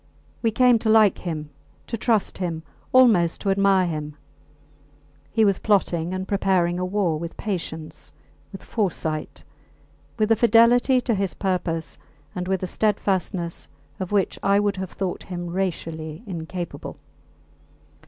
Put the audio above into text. We came to like him, to trust him, almost to admire him. He was plotting and preparing a war with patience, with foresight with a fidelity to his purpose and with a steadfastness of which I would have thought him racially incapable.